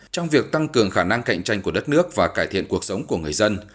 trong việc tăng cường khả năng cạnh tranh của đất nước và cải thiện cuộc sống của người dân